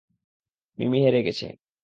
মিমি হেরে গেছে!